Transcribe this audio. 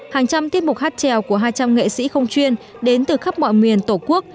hàng trăm tiết mục hát trèo của hai trăm linh nghệ sĩ không chuyên đến từ khắp mọi miền tổ quốc